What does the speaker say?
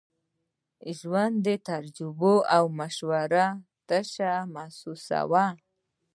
د ژوند تجربې او مشورې تشه محسوسوم.